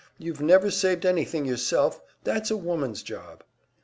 You've never saved anything yourself; that's a woman's job."